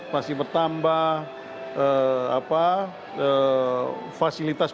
pasti bertambah fasilitas penelitian